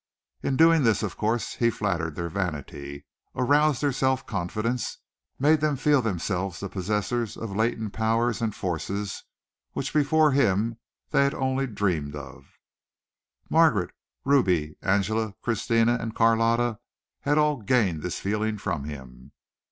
In doing this of course he flattered their vanity, aroused their self confidence, made them feel themselves the possessors of latent powers and forces which before him they had only dreamed of. Margaret, Ruby, Angela, Christina and Carlotta had all gained this feeling from him.